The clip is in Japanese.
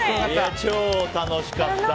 超楽しかった！